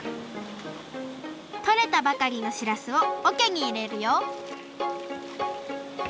とれたばかりのしらすをおけにいれるよ